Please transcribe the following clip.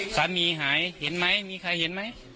หายเห็นไหมมีใครเห็นไหม